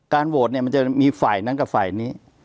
การโหวตมีไฟล์นั้นและไฟล์นี้